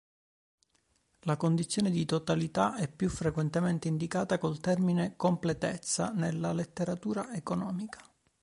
La condizione di totalità è più frequentemente indicata col termine "completezza" nella letteratura economica.